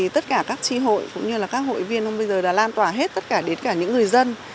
tất cả các tri hội cũng như các hội viên bây giờ đã lan tỏa hết tất cả đến cả những người dân